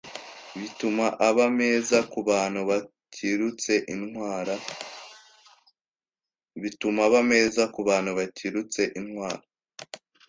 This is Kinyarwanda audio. Bituma aba meza ku bantu bakirutse inwara,